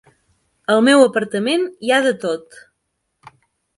Al meu apartament hi ha de tot.